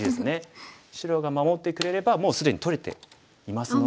白が守ってくれればもう既に取れていますので。